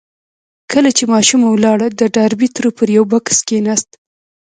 کله چې ماشومه ولاړه د ډاربي تره پر يوه بکس کېناست.